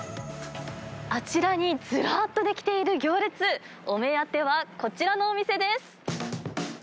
あちらにずらっと出来ている行列、お目当てはこちらのお店です。